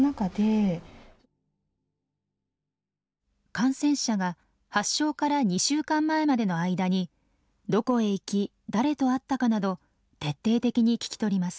感染者が発症から２週間前までの間にどこへ行き誰と会ったかなど徹底的に聞き取ります。